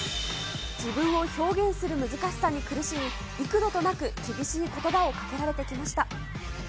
自分を表現する難しさに苦しみ、幾度となく厳しいことばをかけられてきました。